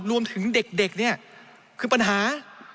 รวมถึงเด็กเนี่ยคือปัญหา